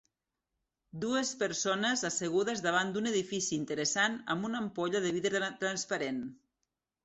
Dues persones assegudes davant d'un edifici interessant amb una ampolla de vidre transparent.